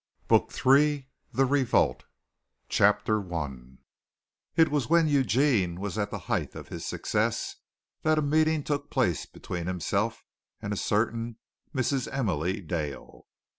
BOOK III THE REVOLT CHAPTER I It was when Eugene was at the height of his success that a meeting took place between himself and a certain Mrs. Emily Dale.